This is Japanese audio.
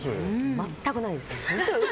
全くないです。